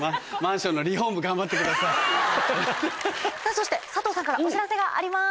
そして佐藤さんからお知らせがあります。